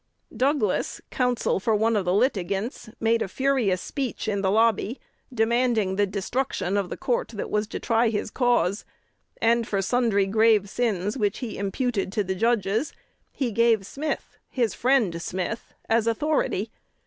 Douglas, counsel for one of the litigants, made a furious speech "in the lobby," demanding the destruction of the court that was to try his cause; and for sundry grave sins which he imputed to the judges he gave Smith his friend Smith as authority.